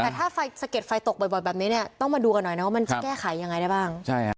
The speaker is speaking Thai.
แต่ถ้าไฟสะเก็ดไฟตกบ่อยแบบนี้เนี่ยต้องมาดูกันหน่อยนะว่ามันจะแก้ไขยังไงได้บ้าง